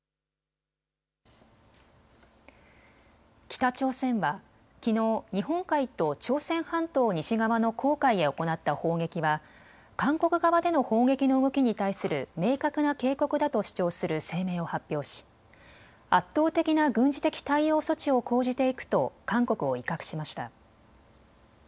北朝鮮はきのう日本海と朝鮮半島西側の黄海へ行った砲撃は韓国側での砲撃の動きに対する明確な警告だと主張する声明を発表し圧倒的な軍事的対応措置を講じていくと韓国を威嚇しました。